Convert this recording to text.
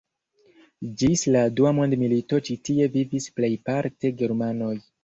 Ĝis la dua mondmilito ĉi tie vivis plejparte germanoj.